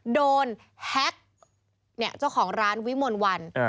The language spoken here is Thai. แฮ็กเจ้าของร้านวิมลวัน